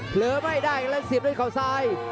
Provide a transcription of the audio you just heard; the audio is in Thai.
เหลือไม่ได้ร้านสิบด้วยเขาซ้าย